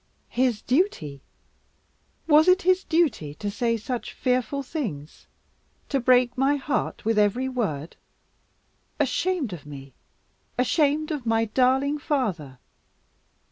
"His duty! Was it his duty to say such fearful things? To break my heart with every word! Ashamed of me ashamed of my darling father!